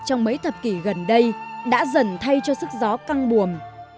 trong mấy thập kỷ gần đây đã dần thay cho sức gió căng buồm